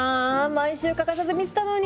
毎週欠かさず見てたのに。